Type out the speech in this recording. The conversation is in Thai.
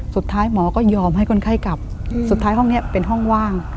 สุดท้ายหมอก็ยอมให้คนไข้กลับสุดท้ายห้องนี้เป็นห้องว่าง